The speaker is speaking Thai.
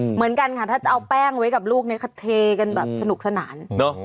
เหมือนกันค่ะถ้าจะเอาแป้งไว้กับลูกเนี่ยก็เทกันแบบสนุกสนาน